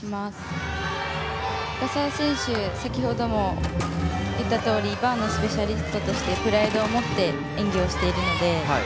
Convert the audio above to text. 深沢選手は先程も言ったとおりバーのスペシャリストとしてプライドを持って演技をしているので。